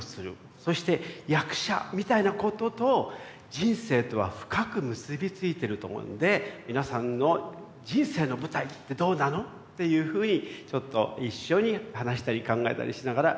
そして役者みたいなことと人生とは深く結び付いてると思うので皆さんの人生の舞台ってどうなの？っていうふうにちょっと一緒に話したり考えたりしながらやっていきたいと思います。